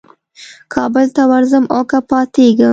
کابل ته ورځم او که پاتېږم.